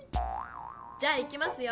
じゃあいきますよ。